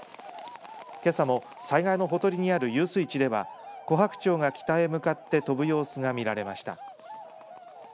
けさも犀川のほとりにある遊水池ではコハクチョウが北へ向かって飛ぶ様子が見られました。